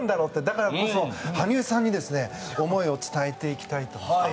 だからこそ、羽生さんに思いを伝えていきたいと。